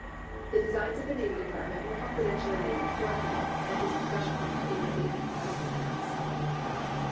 The designs of the Navy Department were confidentially laid before him, and his professional opinion of the enterprise was asked.